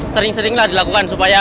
sering seringlah dilakukan supaya